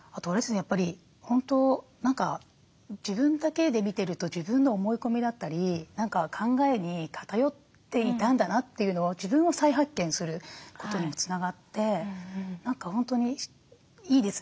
やっぱり本当何か自分だけで見てると自分の思い込みだったり考えに偏っていたんだなというのを自分を再発見することにもつながって何か本当にいいですね。